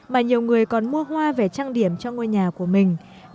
mà nhiều người còn mua hoa về trang điểm cho ngôi nhà của mình